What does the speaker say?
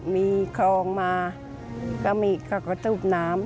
มีคลองมาก็มีกระกะตูปน้ำ